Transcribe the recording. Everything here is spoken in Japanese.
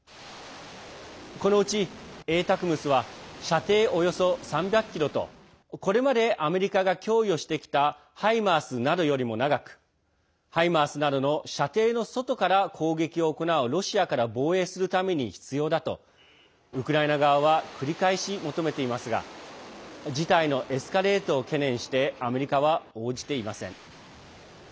このうち「ＡＴＡＣＭＳ」は射程およそ３００ｋｍとこれまでアメリカが供与してきた「ハイマース」などよりも長く「ハイマース」などの射程の外から攻撃を行うロシアから防衛するために必要だとウクライナ側は繰り返し求めていますが事態のエスカレートを懸念してアメリカは応じていません。